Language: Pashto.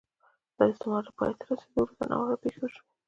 د استعمار له پای ته رسېدو وروسته ناوړه پېښې وشوې.